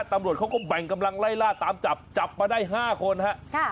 ตำรวจเขาก็แบ่งกำลังไล่ล่าตามจับจับมาได้๕คนฮะ